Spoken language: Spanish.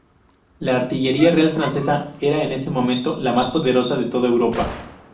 La artillería real francesa era en ese momento la más poderosa de toda Europa.